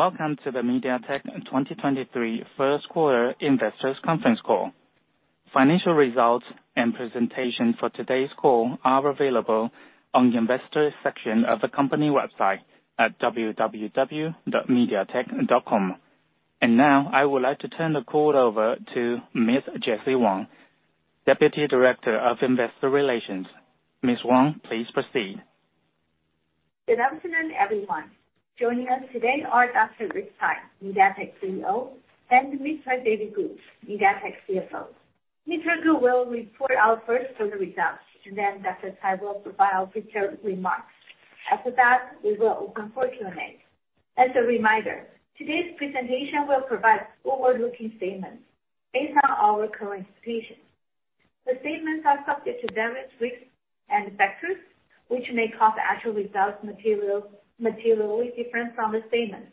Welcome to the MediaTek 2023 first quarter investors conference call. Financial results and presentation for today's call are available on the investor section of the company website at www.mediatek.com. Now I would like to turn the call over to Ms. Jessie Wang, Deputy Director of Investor Relations. Ms. Wang, please proceed. Good afternoon, everyone. Joining us today are Dr. Rick Tsai, MediaTek CEO, and Mr. David Ku, MediaTek CFO. Mr. Ku will report out first for the results, and then Dr. Tsai will provide future remarks. After that, we will open for Q&A. As a reminder, today's presentation will provide forward-looking statements based on our current expectations. The statements are subject to various risks and factors, which may cause actual results materially different from the statements.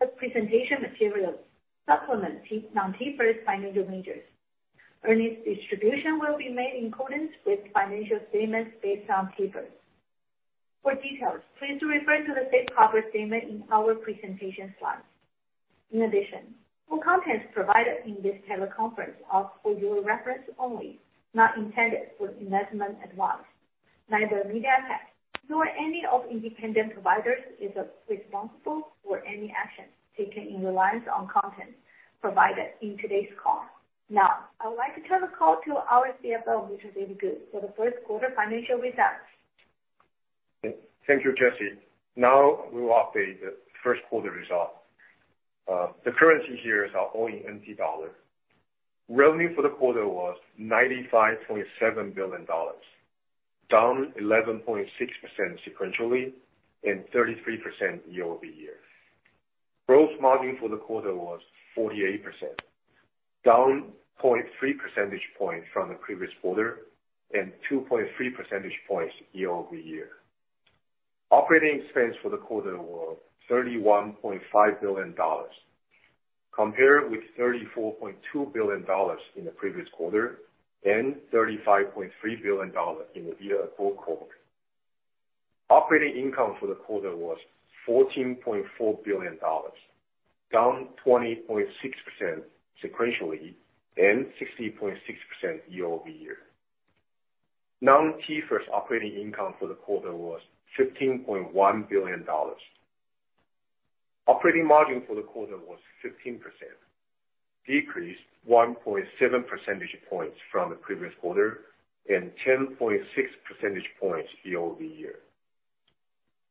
The presentation materials supplement non-GAAP financial measures. Earnings distribution will be made in accordance with financial statements based on GAAP. For details, please refer to the safe harbor statement in our presentation slides. In addition, all content provided in this teleconference are for your reference only, not intended for investment advice. Neither MediaTek nor any of independent providers is responsible for any action taken in reliance on content provided in today's call. I would like to turn the call to our CFO, Mr. David Ku, for the first quarter financial results. Thank you, Jessie. Now we will update the first quarter results. The currency here is our own TWD. Revenue for the quarter was 95.7 billion dollars, down 11.6% sequentially and 33% year-over-year. Gross margin for the quarter was 48%, down 0.3 percentage points from the previous quarter and 2.3 percentage points year-over-year. Operating expense for the quarter was 31.5 billion dollars, compared with 34.2 billion dollars in the previous quarter and 35.3 billion dollars in the year before quarter. Operating income for the quarter was 14.4 billion dollars, down 20.6% sequentially and 60.6% year-over-year. Non-GAAP operating income for the quarter was 15.1 billion dollars. Operating margin for the quarter was 15%, decreased 1.7 percentage points from the previous quarter and 10.6 percentage points year-over-year.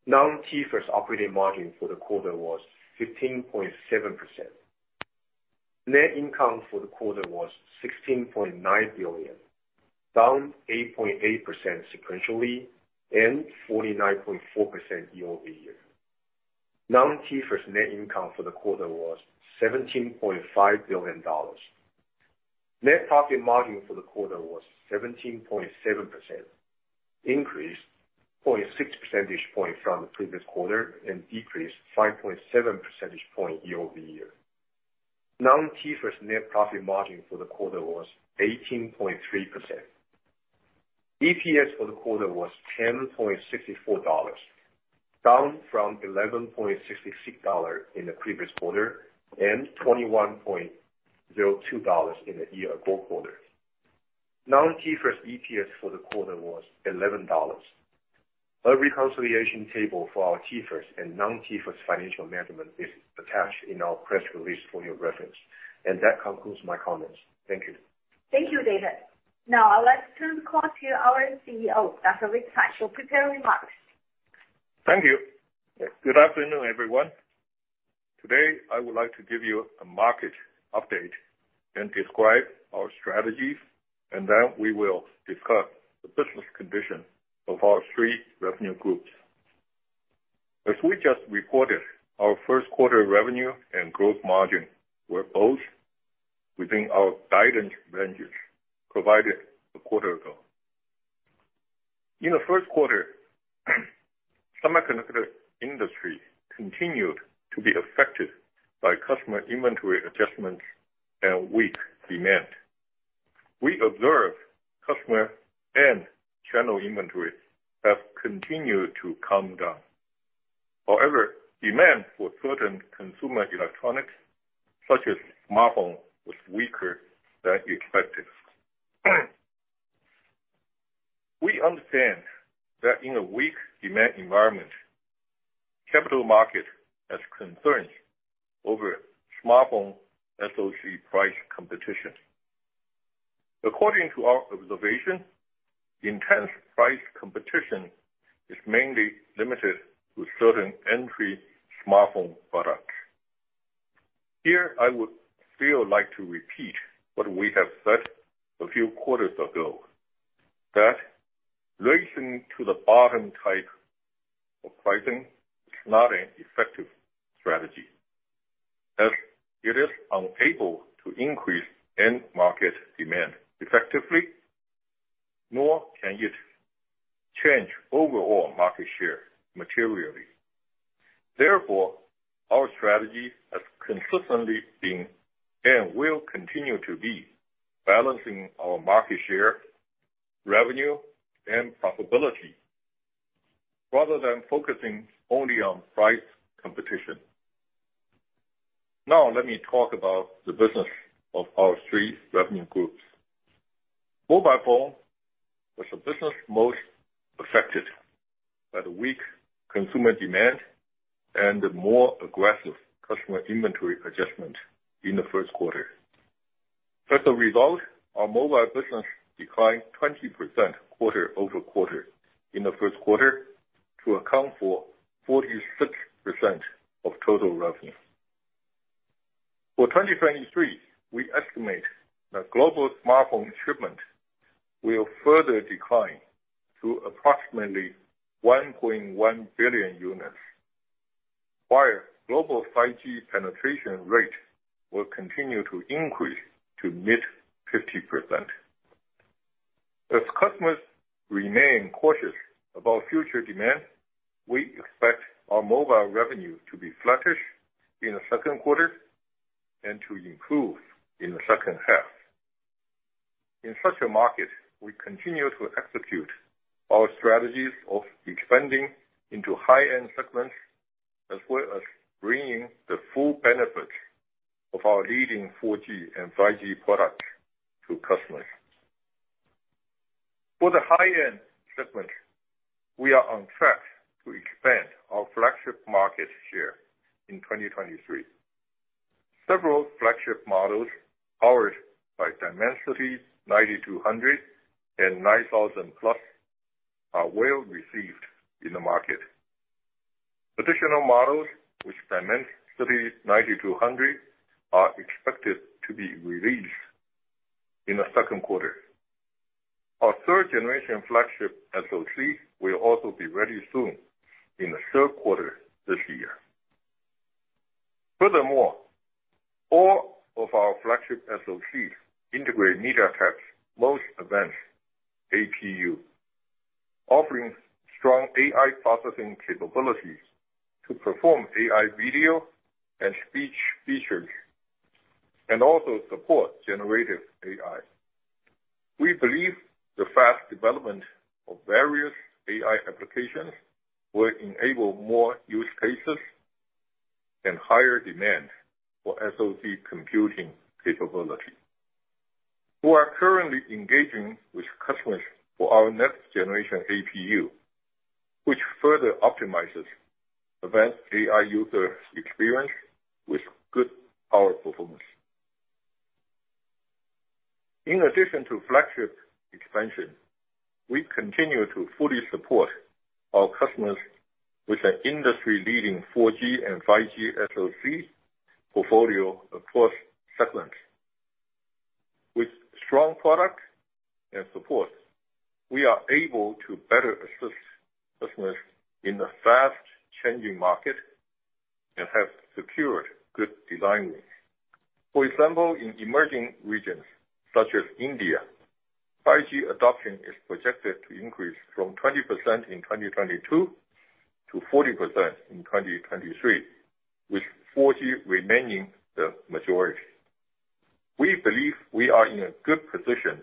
Non-GAAP operating margin for the quarter was 15.7%. Net income for the quarter was 16.9 billion, down 8.8% sequentially and 49.4% year-over-year. Non-GAAP net income for the quarter was 17.5 billion dollars. Net profit margin for the quarter was 17.7%, increased 0.6 percentage point from the previous quarter and decreased 5.7 percentage point year-over-year. Non-GAAP net profit margin for the quarter was 18.3%. EPS for the quarter was 10.64 dollars, down from 11.66 dollars in the previous quarter and 21.02 dollars in the year-ago quarter. Non-GAAP EPS for the quarter was 11 dollars. A reconciliation table for our GAAP and non-GAAP financial measurement is attached in our press release for your reference. That concludes my comments. Thank you. Thank you, David. Now I would like to turn the call to our CEO, Dr. Rick Tsai, for prepared remarks. Thank you. Good afternoon, everyone. Today, I would like to give you a market update and describe our strategies, and then we will discuss the business condition of our three revenue groups. As we just reported, our first quarter revenue and growth margin were both within our guidance ranges provided a quarter ago. In the first quarter, semiconductor industry continued to be affected by customer inventory adjustments and weak demand. We observed customer and channel inventories have continued to come down. However, demand for certain consumer electronics, such as smartphone, was weaker than expected. We understand that in a weak demand environment, capital market has concerns over smartphone SOC price competition. According to our observation, intense price competition is mainly limited to certain entry smartphone products. Here, I would still like to repeat what we have said a few quarters ago, that racing to the bottom type of pricing is not an effective strategy, as it is unable to increase end market demand effectively, nor can it change overall market share materially. Therefore, our strategy has consistently been and will continue to be balancing our market shareRevenue and profitability rather than focusing only on price competition. Now let me talk about the business of our three revenue groups. Mobile phone was the business most affected by the weak consumer demand and the more aggressive customer inventory adjustment in the first quarter. As a result, our mobile business declined 20% quarter-over-quarter in the first quarter to account for 46% of total revenue. For 2023, we estimate that global smartphone shipment will further decline to approximately 1.1 billion units, while global 5G penetration rate will continue to increase to mid-50%. As customers remain cautious about future demand, we expect our mobile revenue to be flattish in the second quarter and to improve in the second half. In such a market, we continue to execute our strategies of expanding into high-end segments as well as bringing the full benefit of our leading 4G and 5G products to customers. For the high-end segment, we are on track to expand our flagship market share in 2023. Several flagship models powered by Dimensity 9200 and 9000+ are well received in the market. Additional models with Dimensity 9200 are expected to be released in the second quarter. Our third generation flagship SOC will also be ready soon in the third quarter this year. Furthermore, all of our flagship SOCs integrate MediaTek's most advanced APU, offering strong AI processing capabilities to perform AI video and speech features and also support generative AI. We believe the fast development of various AI applications will enable more use cases and higher demand for SOC computing capability. We are currently engaging with customers for our next generation APU, which further optimizes advanced AI user experience with good power performance. In addition to flagship expansion, we continue to fully support our customers with an industry-leading 4G and 5G SOC portfolio across segments. With strong product and support, we are able to better assist customers in the fast-changing market and have secured good design wins. For example, in emerging regions, such as India, 5G adoption is projected to increase from 20% in 2022 to 40% in 2023, with 4G remaining the majority. We believe we are in a good position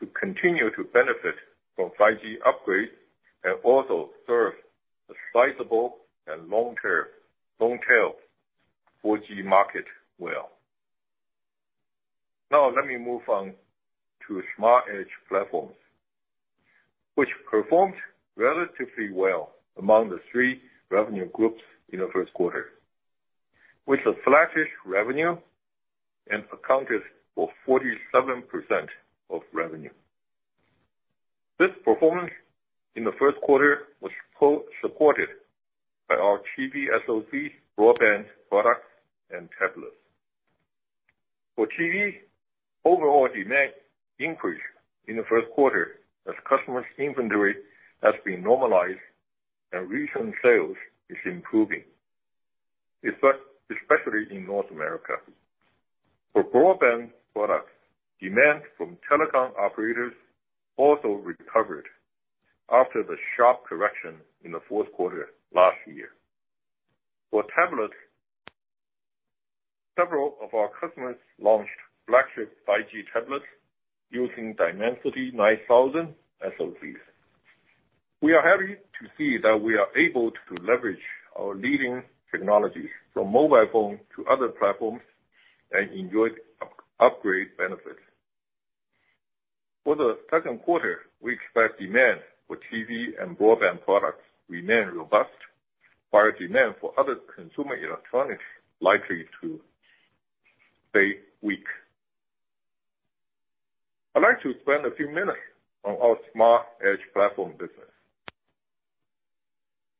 to continue to benefit from 5G upgrades and also serve a sizable and long-term, long-tail 4G market well. Let me move on to Smart Edge Platforms, which performed relatively well among the three revenue groups in the first quarter. With the flattest revenue and accounted for 47% of revenue. This performance in the first quarter was supported by our TV SOC broadband products and tablets. TV, overall demand increased in the first quarter as customers' inventory has been normalized and regional sales is improving, especially in North America. Broadband products, demand from telecom operators also recovered after the sharp correction in the fourth quarter last year. For tablets, several of our customers launched flagship 5G tablets using Dimensity 9000 SOCs. We are happy to see that we are able to leverage our leading technologies from mobile phone to other platforms and enjoy up-upgrade benefits. For the second quarter, we expect demand for TV and broadband products remain robust, while demand for other consumer electronics likely to stay weak. I'd like to spend a few minutes on our Smart Edge Platforms business.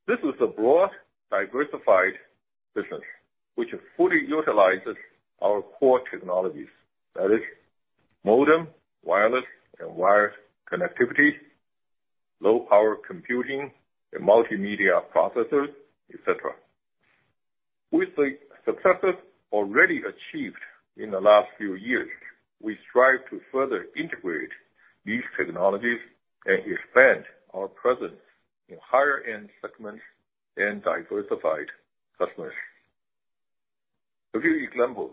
This is a broad, diversified business which fully utilizes our core technologies, that is modem, wireless and wired connectivity, low-power computing and multimedia processors, et cetera. With the successes already achieved in the last few years, we strive to further integrate these technologies and expand our presence in higher-end segments and diversified customers. A few examples.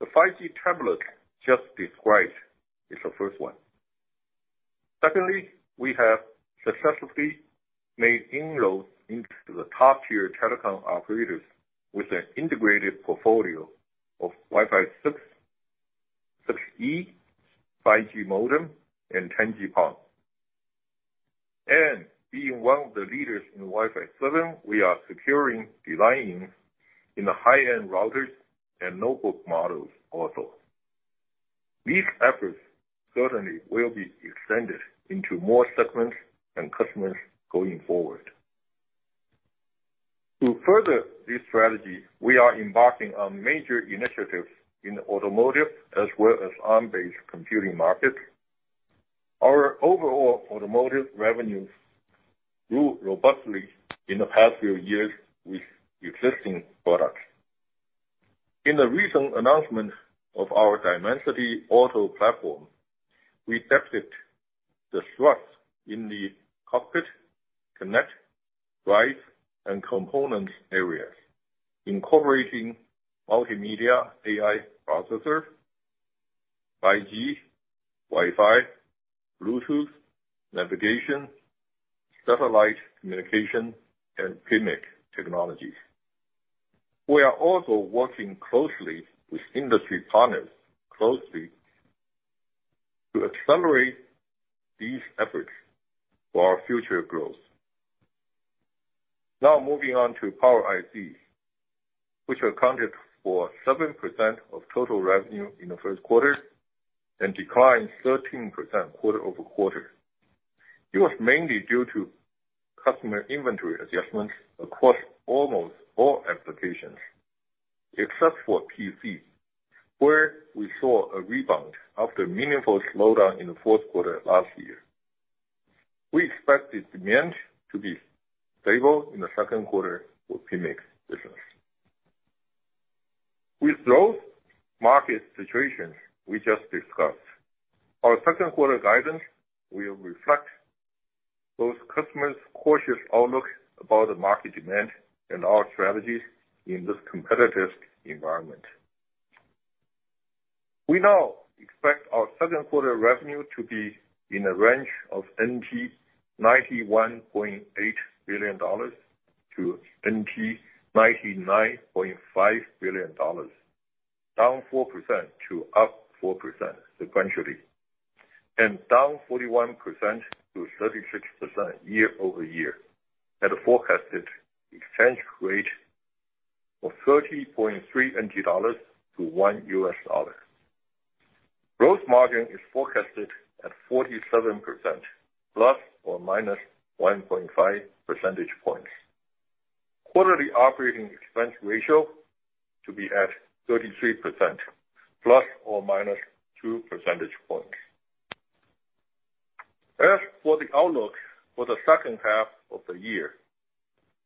The 5G tablet just described is the first one. Secondly, we have successfully made inroads into the top-tier telecom operators with an integrated portfolio of Wi-Fi 6, 6E, 5G modem, and 10G-PON. Being one of the leaders in Wi-Fi 7, we are securing design-ins in the high-end routers and notebook models also. These efforts certainly will be extended into more segments and customers going forward. To further this strategy, we are embarking on major initiatives in the automotive as well as on-premise computing markets. Our overall automotive revenues grew robustly in the past few years with existing products. In the recent announcement of our Dimensity Auto platform, we tested the thrust in the cockpit, connect, drive, and component areas, incorporating multimedia AI processor, 5G, Wi-Fi, Bluetooth, navigation, satellite communication, and PMIC technologies. We are also working closely with industry partners to accelerate these efforts for our future growth. Now moving on to Power ICs, which accounted for 7% of total revenue in the first quarter and declined 13% quarter-over-quarter. It was mainly due to customer inventory adjustments across almost all applications, except for PC, where we saw a rebound after a meaningful slowdown in the fourth quarter last year. We expect the demand to be stable in the second quarter for PMIC business. With those market situations we just discussed, our second quarter guidance will reflect those customers' cautious outlook about the market demand and our strategies in this competitive environment. We now expect our second quarter revenue to be in the range of 91.8 billion-99.5 billion dollars, down 4% to up 4% sequentially, and down 41%-36% year-over-year at a forecasted exchange rate of 30.3 dollars to $1. Gross margin is forecasted at 47% ±1.5 percentage points. Quarterly operating expense ratio to be at 33% ±2 percentage points. As for the outlook for the second half of the year,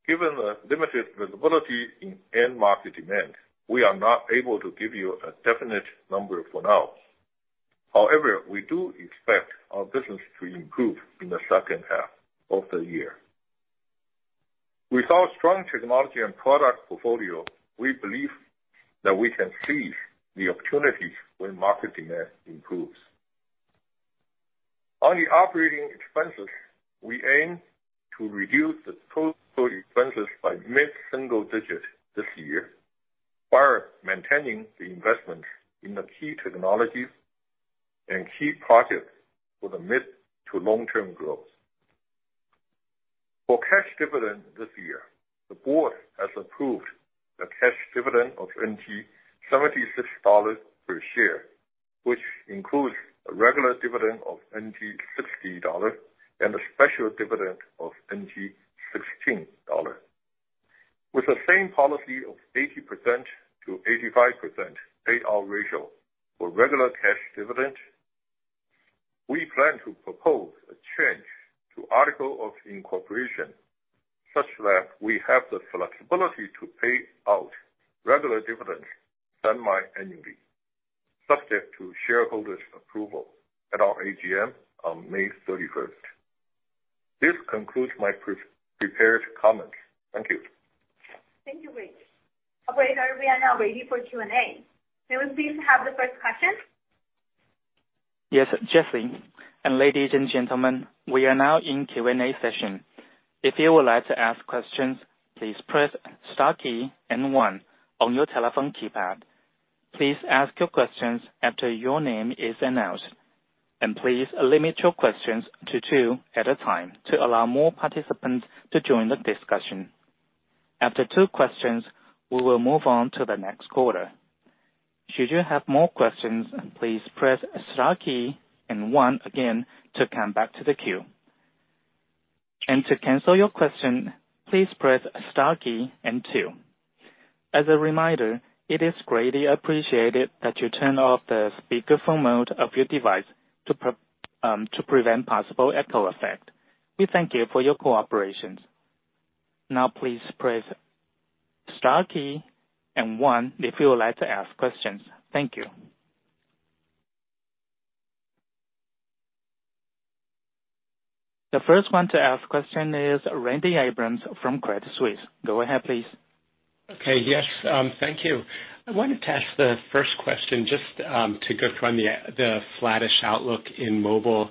given the limited visibility in end market demand, we are not able to give you a definite number for now. We do expect our business to improve in the second half of the year. With our strong technology and product portfolio, we believe that we can seize the opportunities when market demand improves. On the operating expenses, we aim to reduce the total expenses by mid-single digit this year while maintaining the investment in the key technologies and key projects for the mid to long-term growth. For cash dividend this year, the board has approved a cash dividend of 76 NT dollars per share, which includes a regular dividend of 60 NT dollars and a special dividend of 16 NT dollars. With the same policy of 80%-85% payout ratio for regular cash dividend, we plan to propose a change to article of incorporation such that we have the flexibility to pay out regular dividends semi-annually, subject to shareholders' approval at our AGM on May 31st. This concludes my pre-prepared comments. Thank you. Thank you, Ricky. Operator, we are now ready for Q&A. May we please have the first question? Yes, Jessie and ladies and gentlemen, we are now in Q&A session. If you would like to ask questions, please press star key and one on your telephone keypad. Please ask your questions after your name is announced. Please limit your questions to two at a time to allow more participants to join the discussion. After two questions, we will move on to the next caller. Should you have more questions, please press star key and one again to come back to the queue. To cancel your question, please press star key and two. As a reminder, it is greatly appreciated that you turn off the speakerphone mode of your device to prevent possible echo effect. We thank you for your cooperation. Now please press star key and one if you would like to ask questions. Thank you. The first one to ask question is Randy Abrams from Credit Suisse. Go ahead, please. Okay. Yes, thank you. I wanted to ask the first question just to go from the flattish outlook in mobile,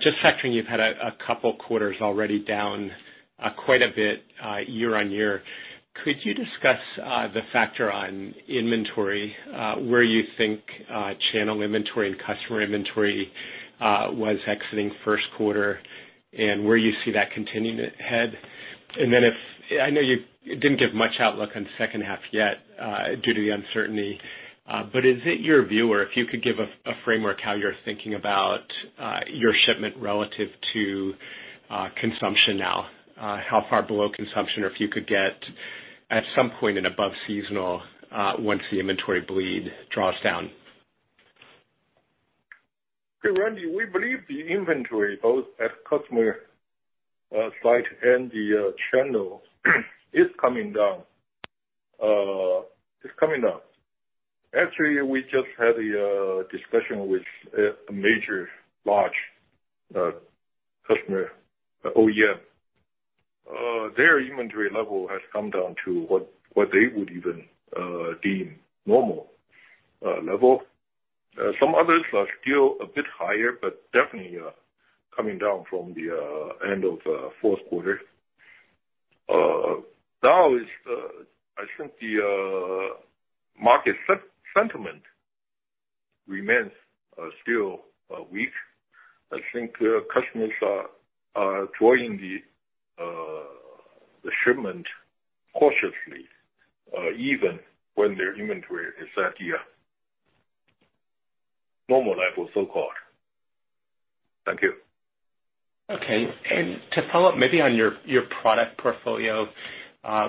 just factoring you've had a couple quarters already down quite a bit year-over-year. Could you discuss the factor on inventory, where you think channel inventory and customer inventory was exiting first quarter, and where you see that continuing ahead? I know you didn't give much outlook on second half yet, due to the uncertainty, but is it your view, or if you could give a framework how you're thinking about your shipment relative to consumption now, how far below consumption, or if you could get at some point and above seasonal once the inventory bleed draws down? Hey, Randy. We believe the inventory, both at customer site and the channel is coming down. Actually, we just had a discussion with a major large customer OEM. Their inventory level has come down to what they would even deem normal level. Some others are still a bit higher, but definitely coming down from the end of fourth quarter. Now is I think the market sentiment remains still weak. I think customers are drawing the shipment cautiously even when their inventory is at the normal level, so-called. Thank you. Okay. To follow up maybe on your product portfolio,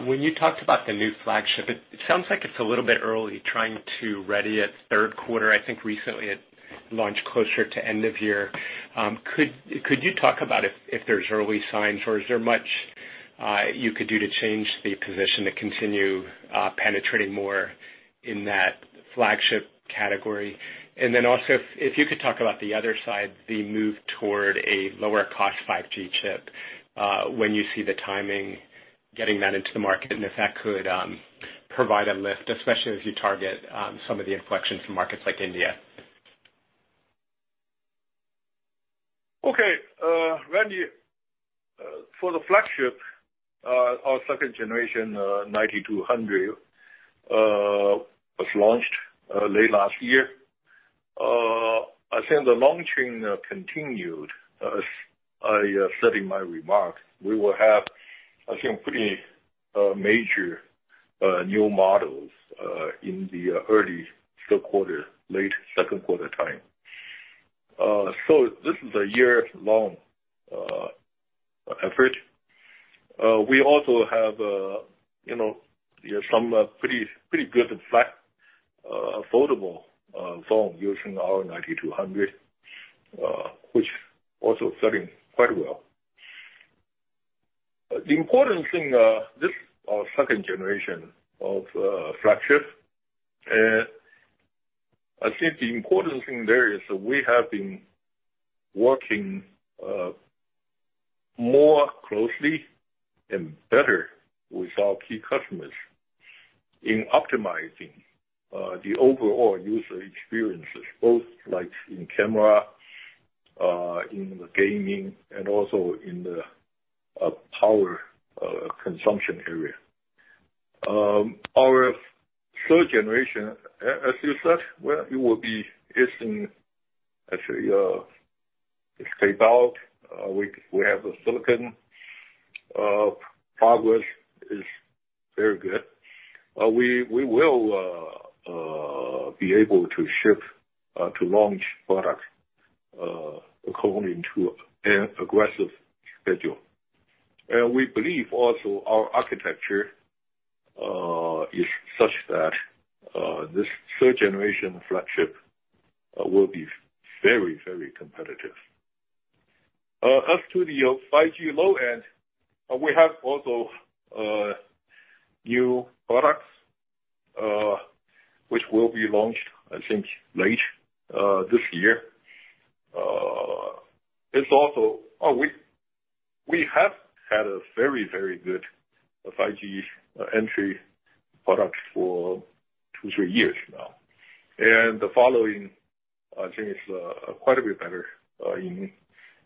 when you talked about the new flagship, it sounds like it's a little bit early trying to ready it third quarter. I think recently it launched closer to end of year. Could you talk about if there's early signs, or is there much you could do to change the position to continue penetrating more in that flagship category? Also if you could talk about the other side, the move toward a lower cost 5G chip, when you see the timing getting that into the market, and if that could provide a lift, especially as you target some of the inflections in markets like India. Okay. Randy, for the flagship, our second generation, Dimensity 9200, was launched late last year. I think the launching continued, as I said in my remarks. We will have, I think, pretty major new models in the early third quarter, late second quarter time. This is a year-long effort. We also have, you know, some pretty good and flat, affordable phone using our Dimensity 9200, which also selling quite well. The important thing, this our second generation of flagship, I think the important thing there is that we have been working more closely and better with our key customers in optimizing the overall user experiences, both like in camera, in the gaming and also in the power consumption area. Our third generation, as you said, well, it will be it's in actually, it's taped out. We have the silicon. Progress is very good. We will be able to ship to launch products according to an aggressive schedule. We believe also our architecture is such that this third generation flagship will be very, very competitive. As to the 5G low end, we have also new products which will be launched, I think, late this year. It's also. We have had a very, very good 5G entry product for two, three years now, the following, I think, is quite a bit better in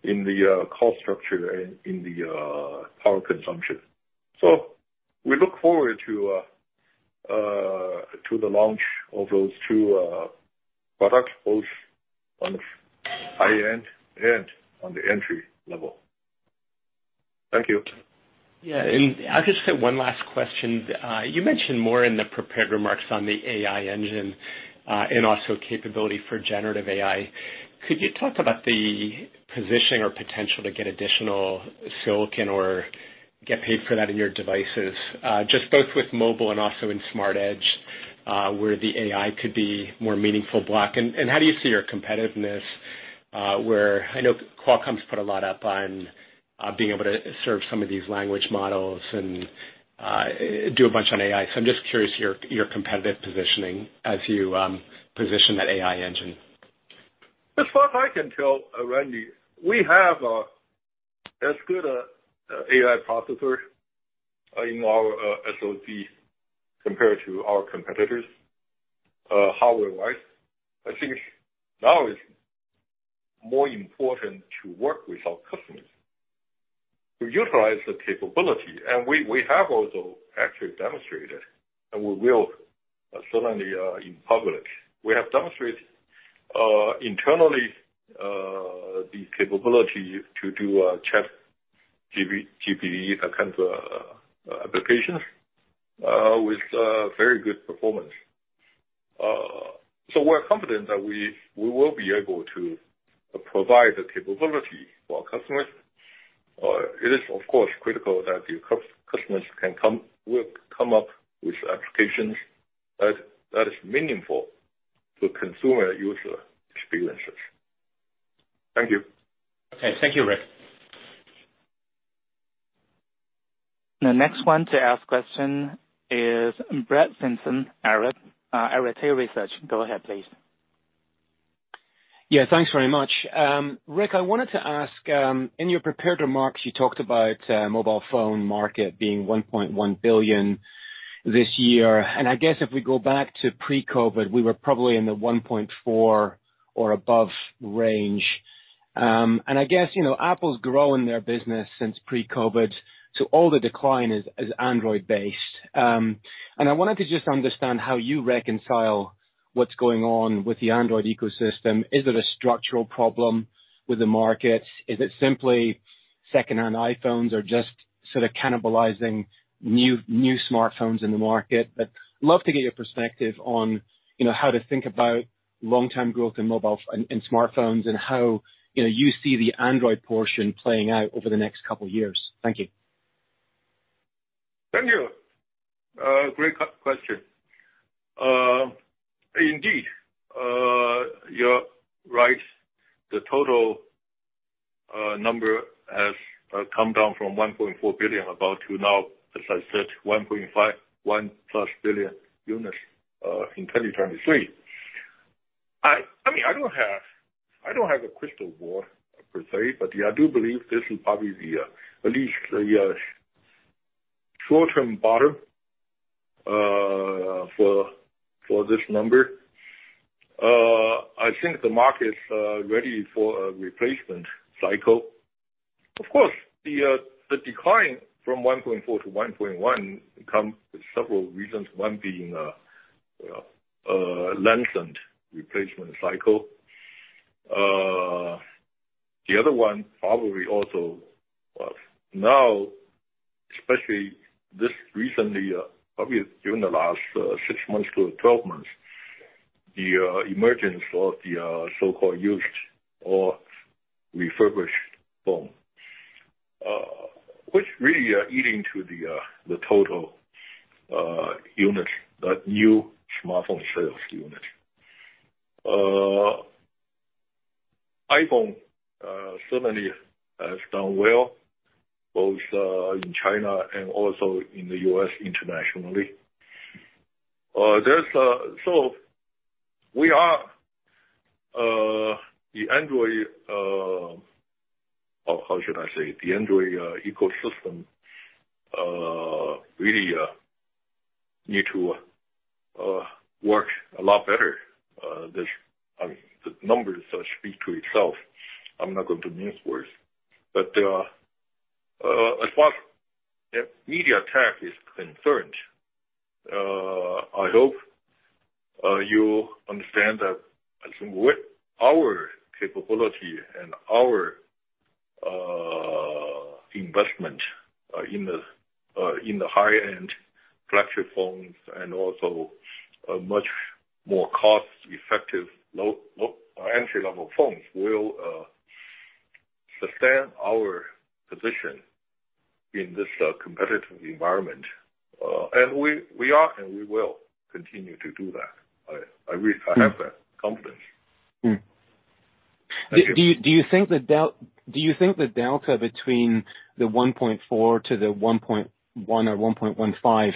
the cost structure and in the power consumption. We look forward to the launch of those two products, both on the high end and on the entry level. Thank you. Yeah. I'll just say one last question. You mentioned more in the prepared remarks on the AI engine, and also capability for generative AI. Could you talk about the positioning or potential to get additional silicon or get paid for that in your devices, just both with mobile and also in Smart Edge, where the AI could be more meaningful block? How do you see your competitiveness, where I know Qualcomm's put a lot up on, being able to serve some of these language models and do a bunch on AI? I'm just curious your competitive positioning as you position that AI engine? As far as I can tell, Randy, we have as good AI processor in our SOC compared to our competitors, hardware-wise. I think now it's more important to work with our customers to utilize the capability. We have also actually demonstrated, and we will certainly in public. We have demonstrated internally the capability to do a ChatGPT kind of applications with very good performance. We're confident that we will be able to provide the capability for our customers. It is of course critical that the customers will come up with applications that is meaningful to consumer user experiences. Thank you. Okay. Thank you, Rick. The next one to ask question is Brett Simpson, Arete Research. Go ahead, please. Yeah, thanks very much. Rick, I wanted to ask, in your prepared remarks you talked about mobile phone market being 1.1 billion this year. I guess if we go back to pre-COVID, we were probably in the 1.4 or above range. I guess, you know, Apple's growing their business since pre-COVID, so all the decline is Android-based. I wanted to just understand how you reconcile what's going on with the Android ecosystem. Is it a structural problem with the market? Is it simply secondhand iPhones are just sort of cannibalizing new smartphones in the market? Love to get your perspective on, you know, how to think about long-term growth in mobile and smartphones, and how, you know, you see the Android portion playing out over the next couple years. Thank you. Thank you. Great question. Indeed, you're right. The total number has come down from 1.4 billion about to now, as I said, 1.5, 1 plus billion units in 2023. I mean, I don't have a crystal ball per se, but, yeah, I do believe this is probably the at least the short-term bottom for this number. I think the market's ready for a replacement cycle. Of course, the decline from 1.4-1.1 comes with several reasons. One being a lengthened replacement cycle. The other one probably also was now, especially this recently, probably during the last 6 months-12 months, the emergence of the so-called used or refurbished phone, which really are eating to the total units, the new smartphone sales units. iPhone certainly has done well, both in China and also in the U.S. internationally. We are the Android. Or how should I say? The Android ecosystem really need to work a lot better. This, I mean, the numbers speak to itself. I'm not going to mince words. As far as MediaTek is concerned, I hope you understand that with our capability and our investment in the high-end flagship phones and also a much more cost-effective low entry-level phones will sustain our position in this competitive environment. We are, and we will continue to do that. I have that confidence. Mm. Thank you. Do you think the delta between the 1.4 to the 1.1 or 1.15,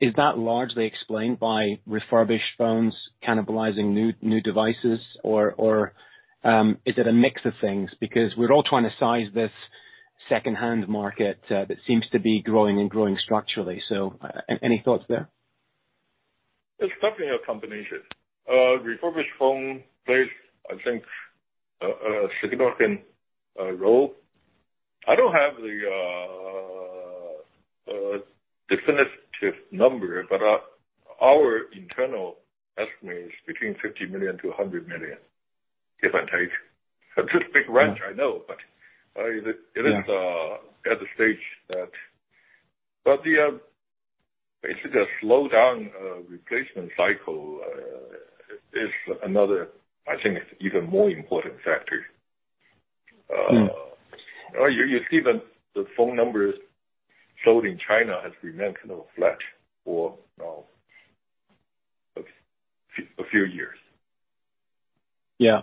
is that largely explained by refurbished phones cannibalizing new devices? Or is it a mix of things? We're all trying to size this second-hand market that seems to be growing and growing structurally. Any thoughts there? It's definitely a combination. Refurbished phone plays, I think, a significant role. I don't have the definitive number, but our internal estimate is between 50 million-100 million, give or take. It's a big range, I know, but it is at the stage that... Basically the slowdown, replacement cycle is another, I think it's even more important factor. Mm. you see that the phone numbers sold in China has remained kind of flat for... Yeah.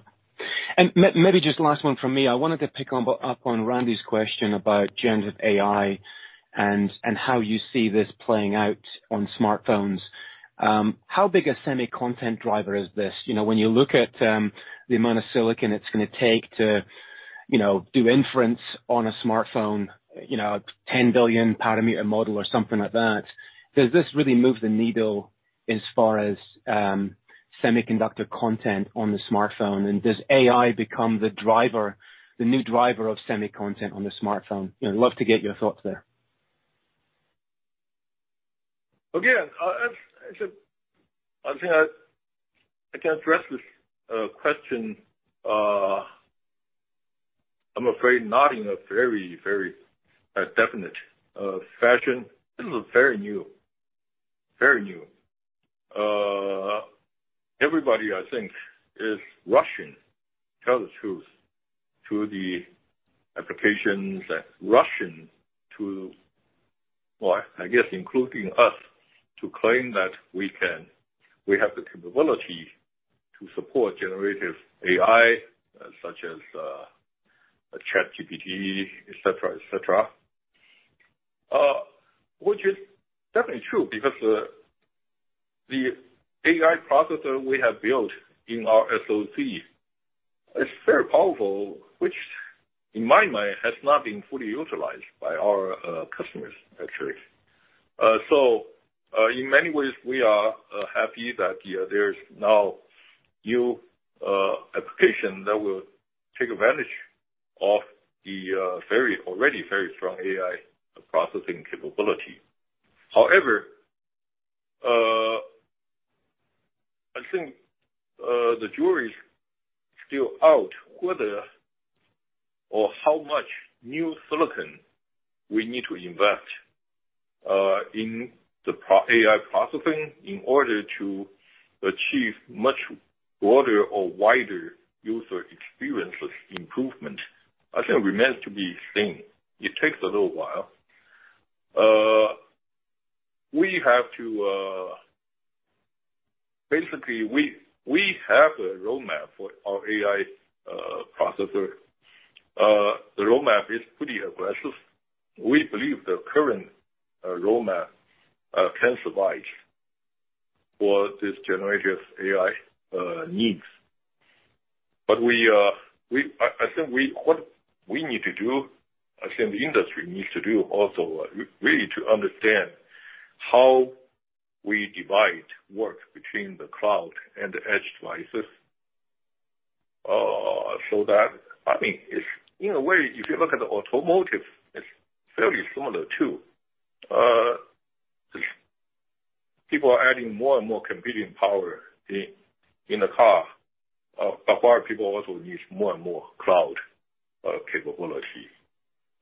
Maybe just last one from me. I wanted to pick up on Randy's question about gens of AI and how you see this playing out on smartphones. How big a semi content driver is this? You know, when you look at the amount of silicon it's gonna take to, you know, do inference on a smartphone, you know, 10 billion parameter model or something like that, does this really move the needle as far as semiconductor content on the smartphone? Does AI become the driver, the new driver of semi content on the smartphone? You know, love to get your thoughts there. Again, I think I can address this question. I'm afraid not in a very, very definite fashion. This is very new. Very new. Everybody I think is rushing, tell the truth, rushing to, well, I guess including us, to claim that we can, we have the capability to support generative AI such as ChatGPT, et cetera, et cetera. Which is definitely true because the AI processor we have built in our SOC is very powerful, which in my mind has not been fully utilized by our customers actually. In many ways, we are happy that there is now new application that will take advantage of the very, already very strong AI processing capability. I think the jury is still out whether or how much new silicon we need to invest in the AI processing in order to achieve much broader or wider user experiences improvement. I think it remains to be seen. It takes a little while. Basically, we have a roadmap for our AI processor. The roadmap is pretty aggressive. We believe the current roadmap can survive for this generative AI needs. We, I think what we need to do, I think the industry needs to do also, we need to understand how we divide work between the cloud and the edge devices so that. I think it's, in a way, if you look at the automotive, it's fairly similar too. People are adding more and more computing power in the car, but more people also use more and more cloud capability.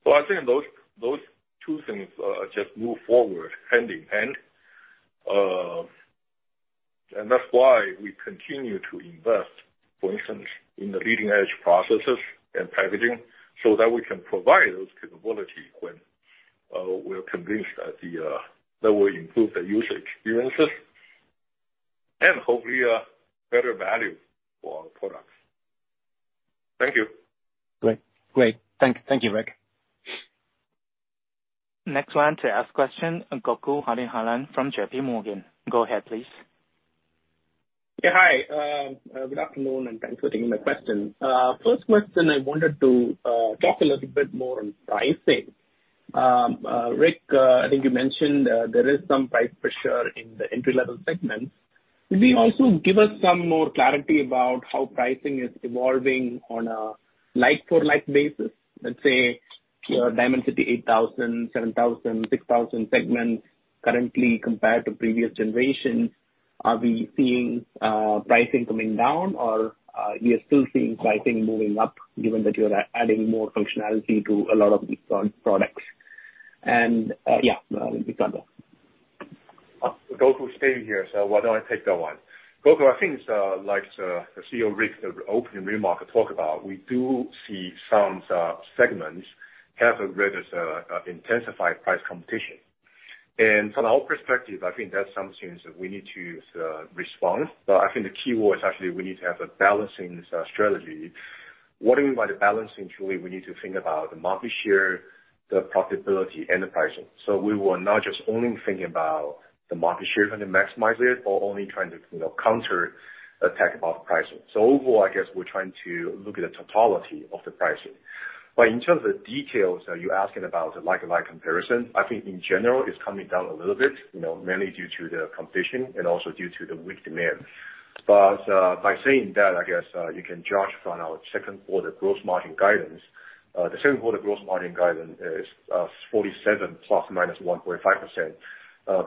I think those two things just move forward hand in hand. That's why we continue to invest, for instance, in the leading edge processes and packaging, so that we can provide those capability when we are convinced that the that will improve the user experiences and hopefully a better value for our products. Thank you. Great. Great. Thank you, Rick. Next one to ask question, Gokul Hariharan from JP Morgan. Go ahead, please. Hi, good afternoon, and thanks for taking my question. First question, I wanted to talk a little bit more on pricing. Rick, I think you mentioned there is some price pressure in the entry-level segments. Could you also give us some more clarity about how pricing is evolving on a like-to-like basis? Let's say your Dimensity 8000, 7000, 6000 segments currently compared to previous generations. Are we seeing pricing coming down or you are still seeing pricing moving up given that you are adding more functionality to a lot of these products? We can go. Gokul, Stay here. Why don't I take that one? Gokul, I think the CEO, Rick Tsai, the opening remark talk about, we do see some segments have a very intensified price competition. From our perspective, I think that's something that we need to respond. I think the key word is actually we need to have a balancing strategy. What do you mean by the balancing? Truly, we need to think about the market share, the profitability and the pricing. We will not just only think about the market share, trying to maximize it, but only trying to, you know, counterattack about pricing. Overall, I guess we're trying to look at the totality of the pricing. In terms of the details that you're asking about, like comparison, I think in general it's coming down a little bit, you know, mainly due to the competition and also due to the weak demand. By saying that, I guess, you can judge from our second quarter gross margin guidance. The second quarter gross margin guidance is 47% ±1.5%,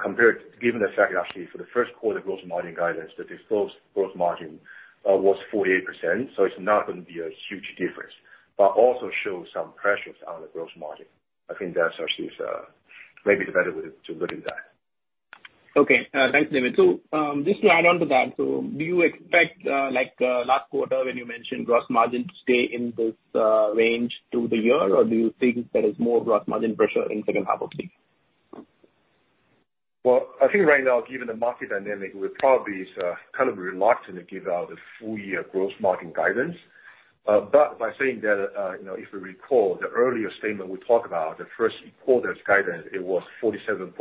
compared given the fact that actually for the first quarter gross margin guidance, the disclosed gross margin was 48%, so it's not gonna be a huge difference, but also shows some pressures on the gross margin. I think that's actually the, maybe the better way to look at that. Okay. Thanks, David Ku. Just to add on to that, do you expect last quarter when you mentioned gross margin to stay in this range through the year, or do you think there is more gross margin pressure in second half of the year? Well, I think right now, given the market dynamic, we're probably kind of reluctant to give out a full year gross margin guidance. By saying that, you know, if we recall the earlier statement, we talked about the first quarter's guidance, it was 47.5%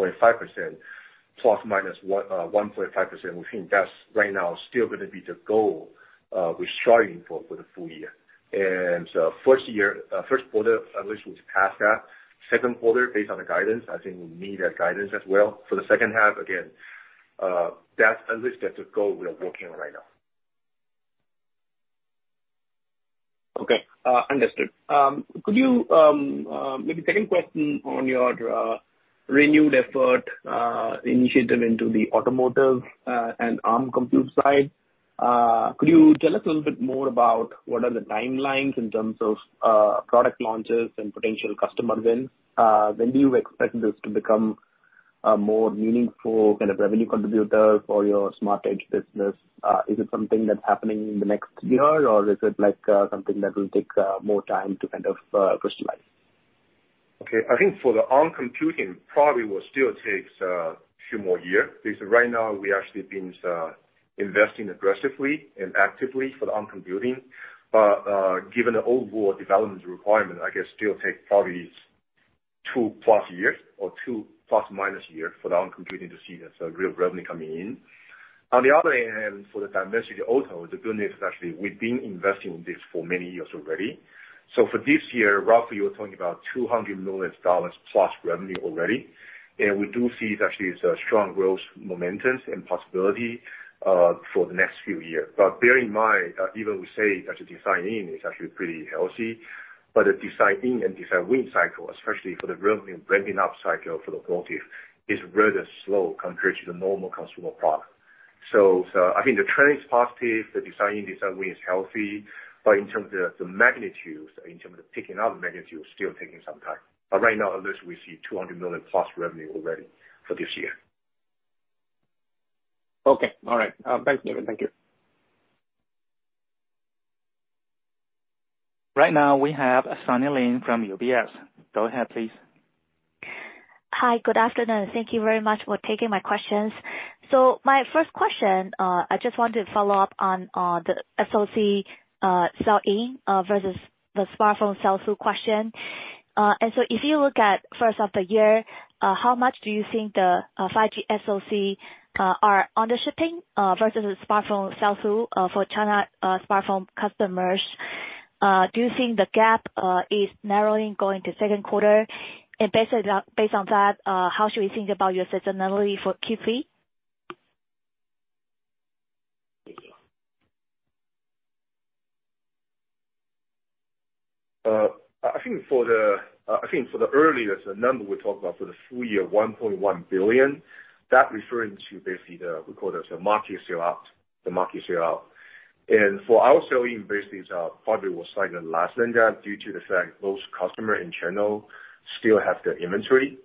±1.5%. We think that's right now still gonna be the goal we're striving for the full year. First quarter, at least we passed that. Second quarter based on the guidance, I think we need that guidance as well. For the second half, again, that's at least the goal we are working on right now. Okay. Understood. Could you, maybe second question on your renewed effort, initiative into the automotive and Arm computing side. Could you tell us a little bit more about what are the timelines in terms of product launches and potential customer wins? When do you expect this to become a more meaningful kind of revenue contributor for your Smart Edge business? Is it something that's happening in the next year, or is it like something that will take more time to kind of crystallize? Okay. I think for the Arm computing, probably will still takes few more year, because right now we actually been investing aggressively and actively for the Arm computing. Given the overall development requirement, I guess still take probably 2+ years or 2 ± years for the Arm computing to see the real revenue coming in. On the other hand, for the Dimensity Auto, the good news is actually we've been investing in this for many years already. So for this year, roughly you're talking about $200 million+ revenue already. We do see it actually is a strong growth momentum and possibility for the next few years. Bear in mind that even we say that the design in is actually pretty healthy, but the design in and design win cycle, especially for the revenue ramping up cycle for the automotive, is rather slow compared to the normal consumer product. I think the trend is positive, the design in, design win is healthy, but in terms of the magnitude, in terms of picking up magnitude, still taking some time. Right now, at least we see 200 million+ revenue already for this year. Okay. All right. Thanks, David. Thank you. Right now we have Sunny Lin from UBS. Go ahead, please. Hi. Good afternoon. Thank you very much for taking my questions. My first question, I just want to follow up on the SOC sell-in versus the smartphone sell-through question. If you look at first of the year, how much do you think the 5G SOC are undershipping versus smartphone sell-through for China smartphone customers? Do you think the gap is narrowing going to second quarter? Based on that, how should we think about your seasonality for Q3? I think for the, I think for the earliest, the number we talked about for the full year, $1.1 billion, that referring to basically the, we call it the market sell-out. The market sell-out. For our sell-in basis, probably will slightly less than that due to the fact those customer in general still have the inventory.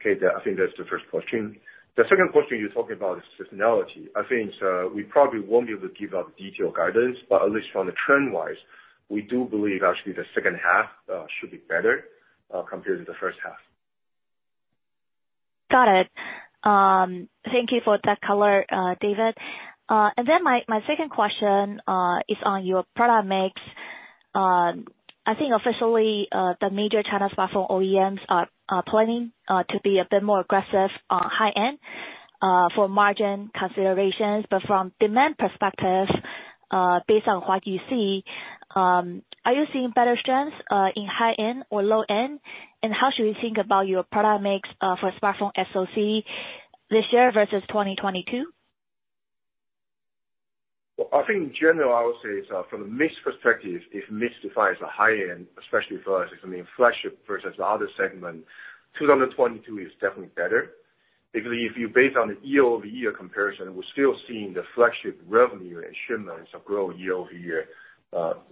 Okay? That I think that's the first question. The second question you're talking about is seasonality. I think, we probably won't be able to give out detailed guidance, but at least from the trend-wise, we do believe actually the second half should be better compared to the first half. Got it. Thank you for that color, David. My, my second question is on your product mix. I think officially, the major China smartphone OEMs are planning to be a bit more aggressive on high-end for margin considerations. From demand perspective, based on what you see, are you seeing better strengths in high-end or low-end? How should we think about your product mix for smartphone SOC this year versus 2022? I think in general, I would say is, from the mix perspective, if mix defines the high-end, especially for us, it's only flagship versus the other segment, 2022 is definitely better. If you base on the year-over-year comparison, we're still seeing the flagship revenue and shipments grow year over year,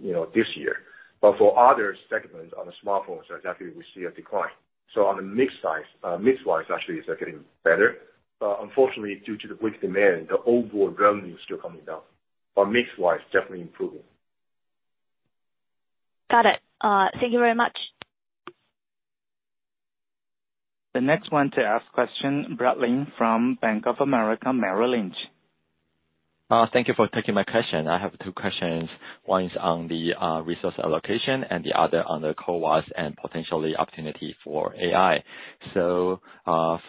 you know, this year. For other segments on the smartphones, exactly, we see a decline. On the mix side, mix wise, actually it's getting better. Unfortunately, due to the weak demand, the overall revenue is still coming down. Mix wise, definitely improving. Got it. Thank you very much. The next one to ask question, Brad Lin from Bank of America Merrill Lynch. Thank you for taking my question. I have two questions. One is on the resource allocation and the other on the CoWoS and potentially opportunity for AI. For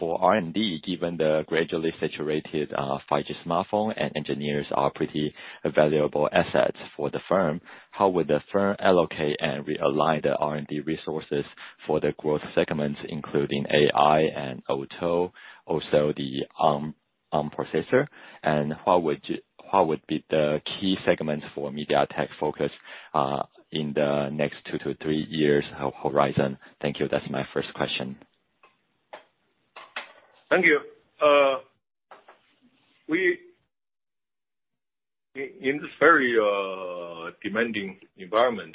R&D, given the gradually saturated 5G smartphone and engineers are pretty valuable assets for the firm, how would the firm allocate and realign the R&D resources for the growth segments, including AI and auto, also the Arm processor? What would be the key segments for MediaTek focus in the next 2-3 years horizon? Thank you. That's my first question. Thank you. In this very demanding environment,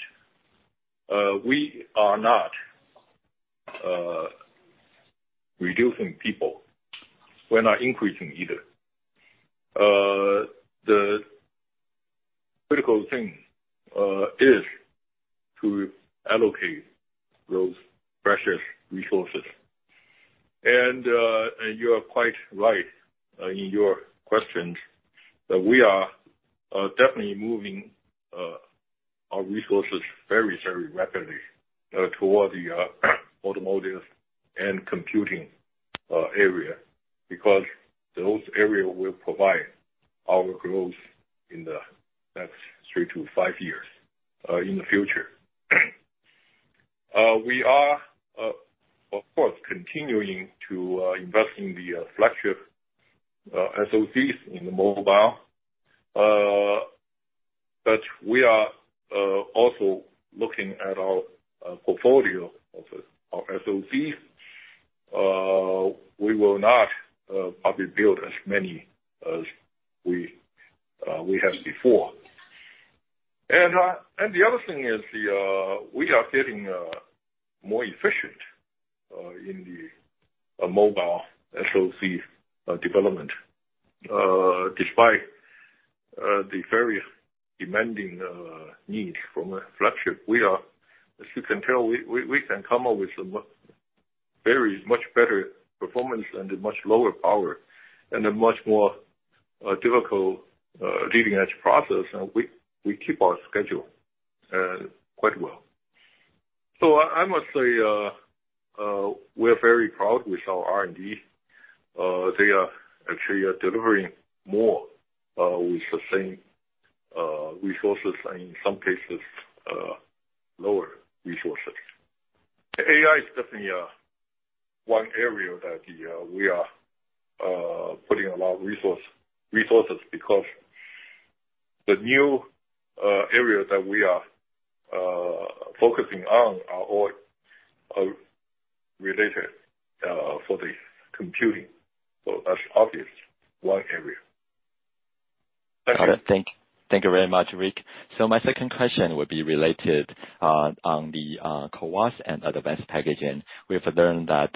we are not reducing people. We're not increasing either. Thing, is to allocate those precious resources. You are quite right, in your questions that we are definitely moving our resources very, very rapidly toward the automotive and computing area because those area will provide our growth in the next three to five years in the future. We are, of course, continuing to invest in the flagship SoCs in the mobile. We are also looking at our portfolio of SoCs. We will not probably build as many as we have before. The other thing is the we are getting more efficient in the mobile SoC development. Despite the various demanding needs from a flagship, we are, as you can tell, we can come up with some very much better performance and a much lower power and a much more difficult leading edge process. We keep our schedule quite well. I must say, we're very proud with our R&D. They are actually delivering more with the same resources, in some cases, lower resources. AI is definitely one area that we are putting a lot of resource, resources because the new areas that we are focusing on are all related for the computing. That's obvious one area. Got it. Thank you very much, Rick. My second question would be related on the CoWoS and other advanced packaging. We've learned that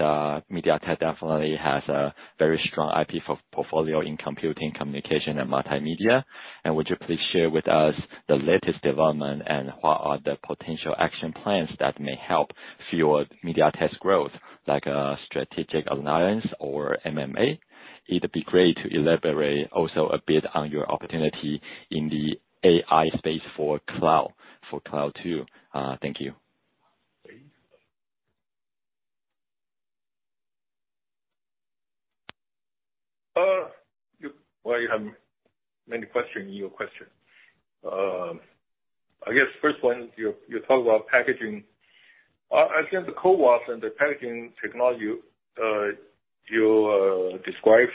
MediaTek definitely has a very strong IP portfolio in computing, communication and multimedia. Would you please share with us the latest development and what are the potential action plans that may help fuel MediaTek's growth, like a strategic alliance or M&A? It'd be great to elaborate also a bit on your opportunity in the AI space for cloud too. Thank you. Well, you have many question in your question. I guess first one, you talk about packaging. I think the CoWoS and the packaging technology you described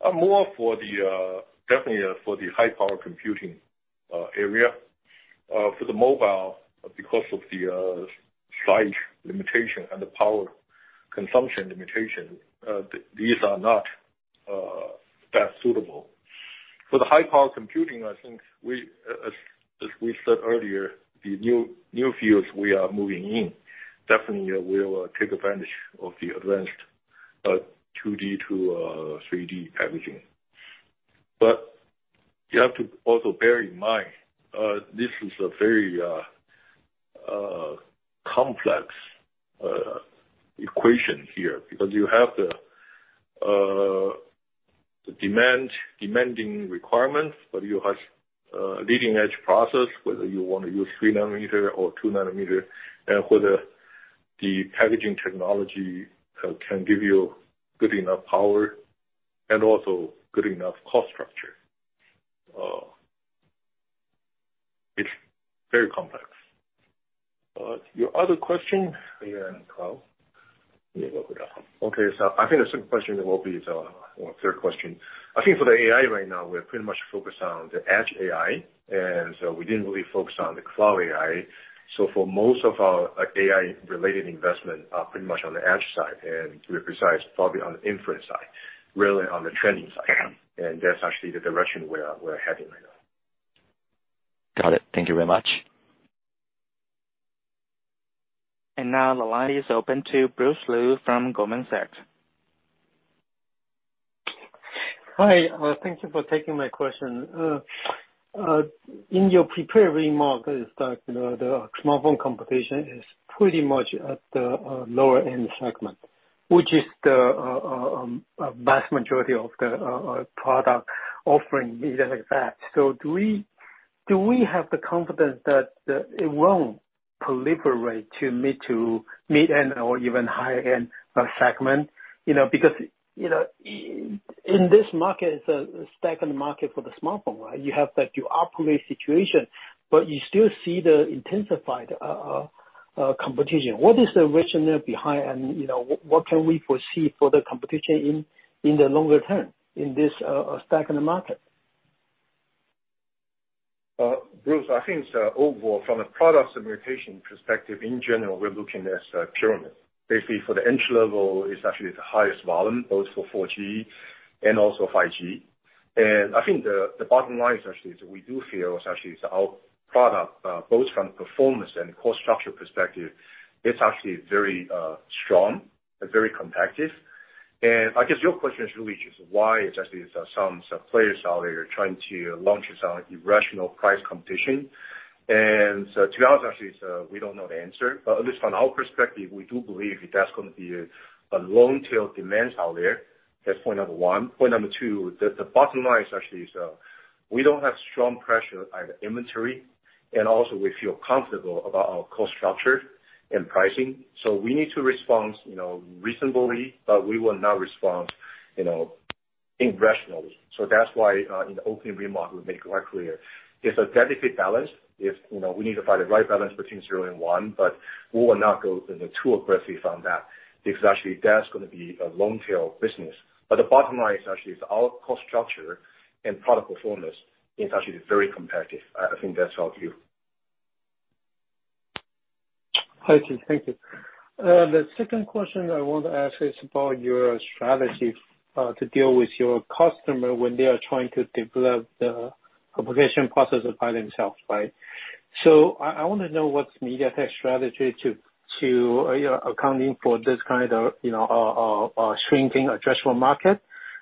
are more for the definitely for the high power computing area. For the mobile, because of the size limitation and the power consumption limitation, these are not that suitable. For the high power computing, I think as we said earlier, the new fields we are moving in definitely will take advantage of the advanced 2D to 3D packaging. You have to also bear in mind, this is a very complex equation here because you have the demanding requirements, whether you have leading edge process, whether you want to use 3nm or 2nm, and whether the packaging technology can give you good enough power and also good enough cost structure. It's very complex. Your other question here in cloud. Yeah, okay. I think the second question will be the, or third question. I think for the AI right now, we're pretty much focused on the edge AI, we didn't really focus on the cloud AI. For most of our, like, AI-related investment are pretty much on the edge side and to be precise, probably on the inference side, rarely on the training side. That's actually the direction we are heading right now. Got it. Thank you very much. Now the line is open to Bruce Lu from Goldman Sachs. Hi. Thank you for taking my question. In your prepared remarks is that the smartphone competition is pretty much at the lower end segment, which is the vast majority of the product offering is like that. Do we have the confidence that it won't proliferate to mid to mid-end or even higher end segment? You know, because, you know, in this market, it's a second market for the smartphone, right? You have the dual operate situation, but you still see the intensified competition. What is the rationale behind and, you know, what can we foresee for the competition in the longer term in this second market? Bruce, I think it's overall from a product segmentation perspective in general, we're looking as a pyramid. Basically, for the entry level is actually the highest volume, both for 4G and also 5G. I think the bottom line is actually is we do feel is actually is our product, both from performance and cost structure perspective, it's actually very strong and very competitive.I guess your question is really just why is actually some players out there trying to launch some irrational price competition. To us, actually, we don't know the answer. But at least from our perspective, we do believe that's gonna be a long tail demand out there. That's point number one. Point number two, the bottom line is actually, we don't have strong pressure on inventory, and also we feel comfortable about our cost structure and pricing. We need to respond, you know, reasonably, but we will not respond, you know, irrationally. That's why, in the opening remark, we make it very clear, it's a delicate balance. It's, you know, we need to find the right balance between zero and one, but we will not go in too aggressively on that, because actually that's gonna be a long tail business. The bottom line is actually our cost structure and product performance is actually very competitive. I think that's our view. I see. Thank you. The second question I want to ask is about your strategy to deal with your customer when they are trying to develop the application process by themselves, right? I want to know what's MediaTek's strategy to, you know, accounting for this kind of, you know, shrinking addressable market.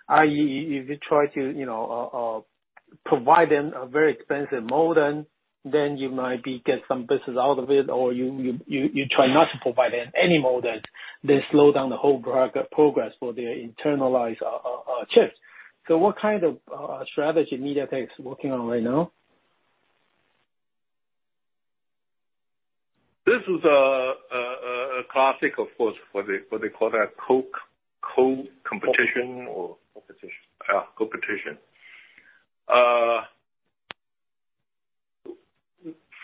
I.e., if you try to, you know, provide them a very expensive modem, then you maybe get some business out of it, or you try not to provide them any modem, they slow down the whole progress for their internalized chips. What kind of strategy MediaTek's working on right now? This is a classic, of course, for the, what they call a. Competition. Or? Competition. Competition.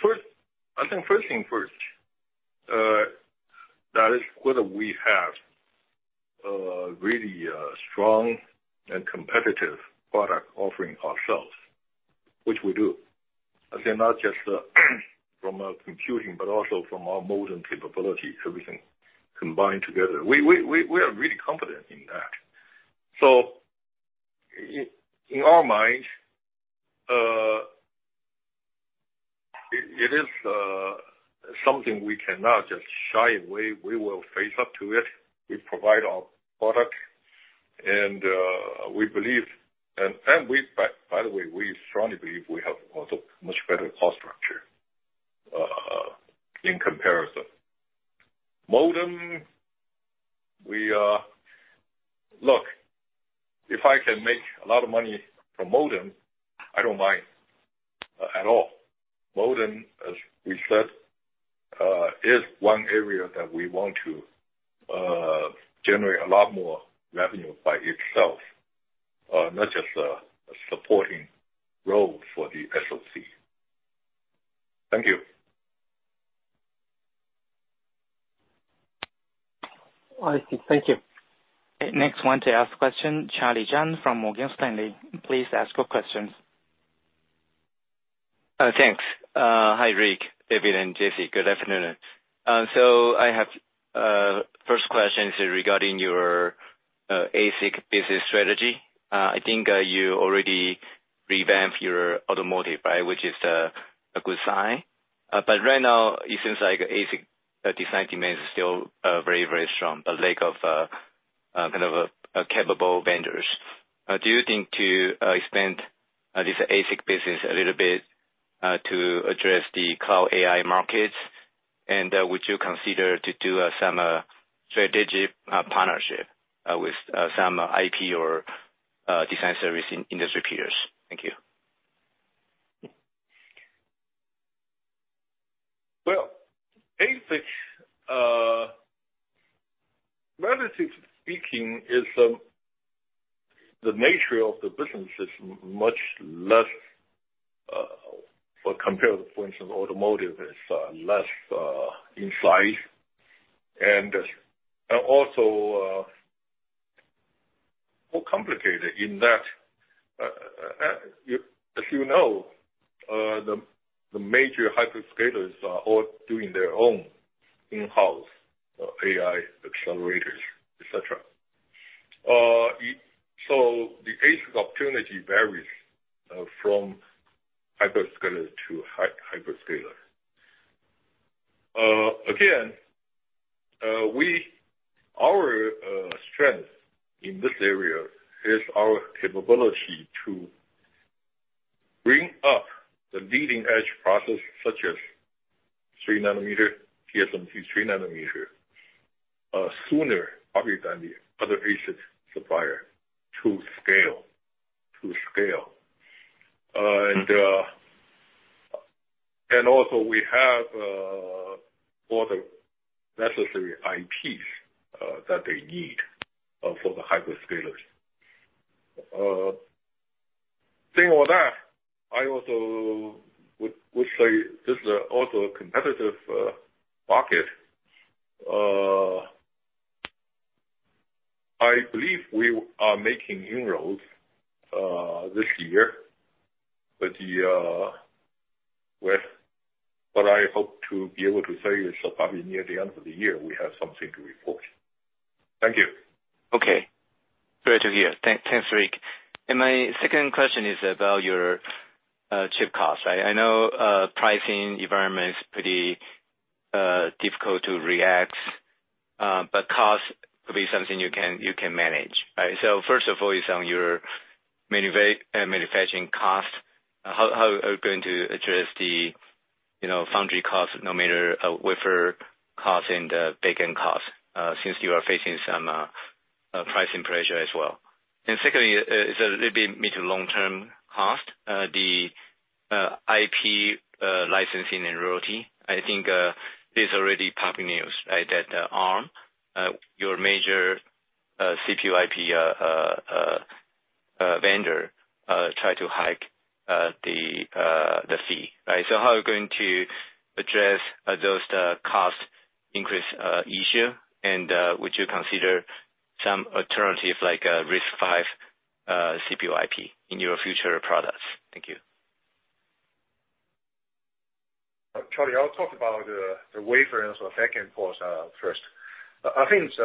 First, I think first thing first, that is whether we have a really strong and competitive product offering ourselves, which we do. Again, not just from a computing, but also from our modem capability. We can combine together. We are really confident in that. In our minds, it is something we cannot just shy away. We will face up to it. We provide our product and we believe and we, by the way, we strongly believe we have also much better cost structure in comparison. Modem, we... Look, if I can make a lot of money from modem, I don't mind at all. Modem, as we said, is one area that we want to generate a lot more revenue by itself, not just a supporting role for the SOC. Thank you. I see. Thank you. Next one to ask question, Charlie Chan from Morgan Stanley. Please ask your questions. Thanks. Hi, Rick, David and Jessie. Good afternoon. I have first question is regarding your ASIC business strategy. I think you already revamped your automotive, right? Which is a good sign. Right now it seems like ASIC design demand is still very strong, but lack of kind of a capable vendors. Do you think to expand this ASIC business a little bit to address the cloud AI markets? Would you consider to do some strategic partnership with some IP or design service in industry peers? Thank you. Well, ASIC, relatively speaking, is the nature of the business is much less, well, compared to, for instance, automotive is less in size and also more complicated in that, you, as you know, the major hyperscalers are all doing their own in-house AI accelerators, et cetera. So the ASIC opportunity varies from hyperscaler to hyperscaler. Again, we, our strength in this area is our capability to bring up the leading edge process such as 3nm, TSMC 3nm, sooner probably than the other ASIC supplier to scale. Also we have all the necessary IPs that they need for the hyperscalers. Saying all that, I also would say this is also a competitive market. I believe we are making inroads, this year, but, with what I hope to be able to say is probably near the end of the year, we have something to report. Thank you. Okay. Great to hear. Thank, thanks, Rick. My second question is about your chip costs. I know pricing environment is pretty difficult to react, but cost could be something you can, you can manage. Right? First of all is on your manufacturing cost. How are you going to address the, you know, foundry cost, no matter wafer cost and the backend cost, since you are facing some pricing pressure as well? Secondly, is a little bit mid to long term cost, the IP licensing and royalty. I think there's already public news, right, that Arm, your major CPU IP vendor, try to hike the fee. Right? How are you going to address those, the cost increase issue? Would you consider some alternative like, RISC-V, CPU IP in your future products? Thank you. Charlie, I'll talk about the wafer and so backend cost first. I think it's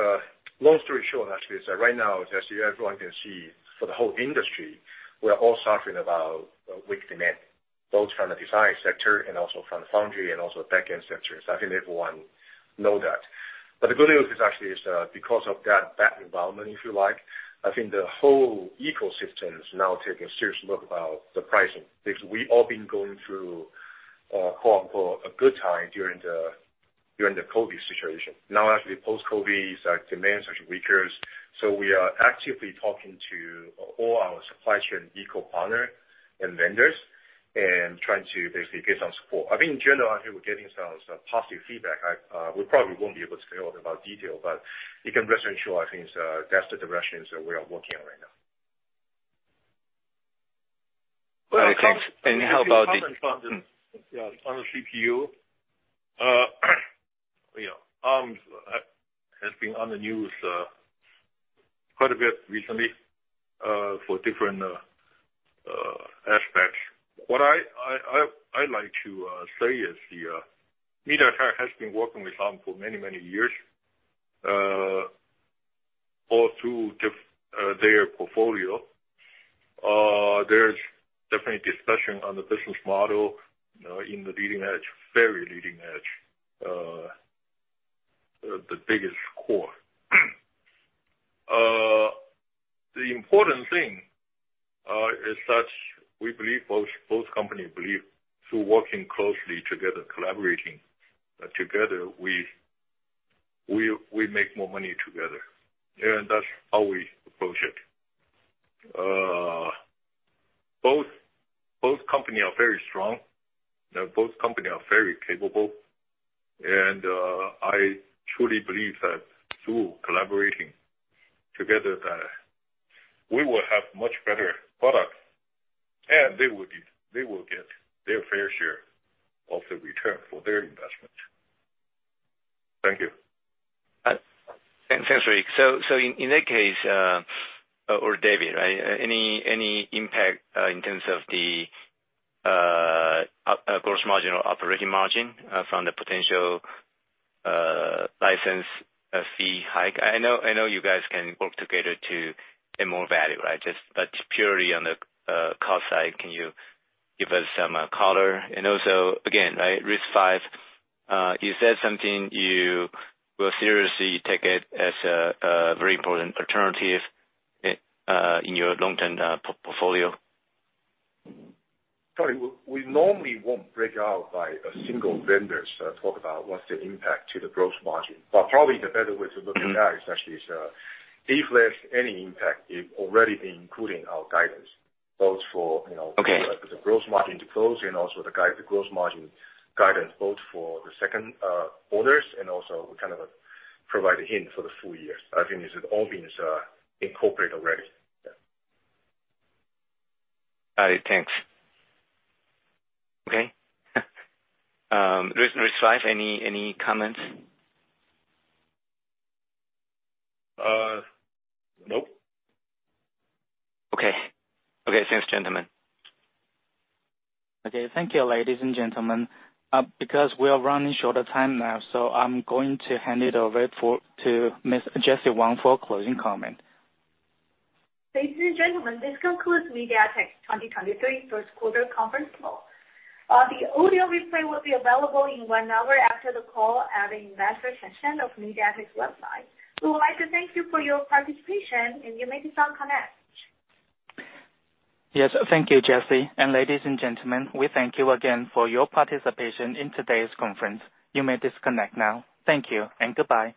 long story short, actually. Right now, as everyone can see, for the whole industry, we are all suffering about weak demand, both from the design sector and also from the foundry and also backend sector. I think everyone know that. The good news is actually is because of that bad environment, if you like, I think the whole ecosystem is now taking a serious look about the pricing. Because we all been going through, quote-unquote, "a good time" during the COVID situation. Now, as we post-COVID, it's like demand is actually weaker. We are actively talking to all our supply chain eco-partner and vendors and trying to basically get some support. I think in general, actually, we're getting some positive feedback. We probably won't be able to spell out about detail, but you can rest assured, I think it's, that's the direction that we are working on right now. Well, thanks. Yeah, on the CPU, you know, Arm's has been on the news quite a bit recently for different aspects. What I'd like to say is the MediaTek has been working with Arm for many, many years, all through their portfolio. There's definitely discussion on the business model, you know, in the leading edge, very leading edge, the biggest core. The important thing is such, we believe both company believe through working closely together, collaborating together, we make more money together. That's how we approach it. Both company are very strong. Both company are very capable. I truly believe that through collaborating together, that we will have much better products. They will get their fair share of the return for their investment. Thank you. Thanks, Henry. In that case, or David, right, any impact in terms of the gross margin or operating margin from the potential license fee hike? I know you guys can work together to get more value, right? Just purely on the cost side, can you give us some color? Also again, right, RISC-V, is that something you will seriously take it as a very important alternative in your long-term portfolio? Sorry. We normally won't break out by a single vendor to talk about what's the impact to the gross margin. Probably the better way to look at that is actually is, if there's any impact, it already been included in our guidance, both for, you know. Okay. the gross margin to close and also the gross margin guidance, both for the second orders and also we kind of provide a hint for the full year. I think it's all been incorporate already. Yeah. All right, thanks. Okay. RISC-V, any comments? Nope. Okay. Okay. Thanks, gentlemen. Okay. Thank you, ladies and gentlemen. We are running short of time now, so I'm going to hand it over to Miss Jessie Wang for closing comment. Ladies and gentlemen, this concludes MediaTek's 2023 first quarter conference call. The audio replay will be available in one hour after the call at investor section of MediaTek's website. We would like to thank you for your participation, and you may disconnect. Yes, thank you, Jessie. Ladies and gentlemen, we thank you again for your participation in today's conference. You may disconnect now. Thank you and goodbye.